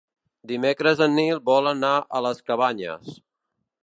Dimecres en Nil vol anar a les Cabanyes.